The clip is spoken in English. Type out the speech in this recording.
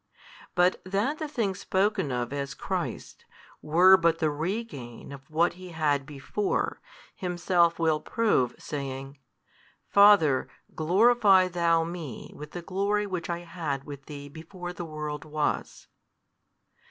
But that the things spoken of as Christ's, were but the regain of what He had before, Himself will prove, saying, Father, glorify Thou Me with the glory which I had with Thee before the world was.